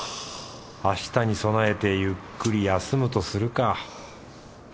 明日に備えてゆっくり休むとするか。